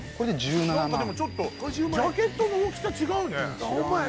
なんかでもちょっとジャケットの大きさ違うねうん